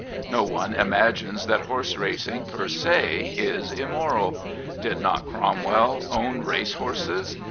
No one imagines that horse racing per se is immoral. Did not Cromwell own race horses